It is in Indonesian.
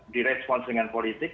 di respons dengan politik